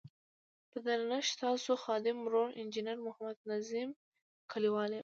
په درنښت ستاسو خادم ورور انجنیر محمد نظیم کلیوال یم.